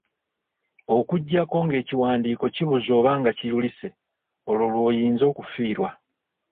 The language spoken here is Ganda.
Okuggyako ng'ekiwandiiko kibuze oba nga kiyulise, olwo lw'oyinza okufiirwa.